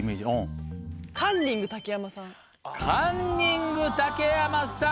カンニング竹山さん